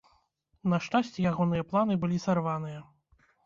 На шчасце, ягоныя планы былі сарваныя.